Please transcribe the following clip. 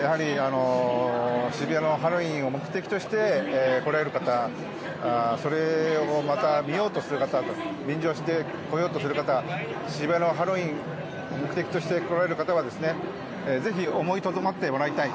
渋谷のハロウィーンを目的として来られる方、それをまた見ようとする方、便乗して来ようとする方、渋谷のハロウィーンを目的として来られる方はぜひ思いとどまってもらいたい。